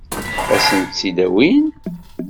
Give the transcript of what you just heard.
Ad sent-tt-id-awin?